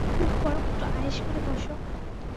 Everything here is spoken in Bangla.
তুমি বরং একটু আয়েশ করে বস?